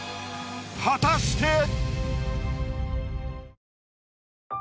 果たして⁉